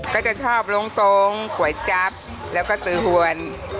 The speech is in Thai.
ก็จะชอบหลวงต้องกวยจ๊อบแล้วก็ตื้อหวน